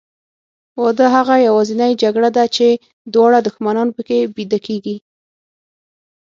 واده هغه یوازینۍ جګړه ده چې دواړه دښمنان پکې بیده کېږي.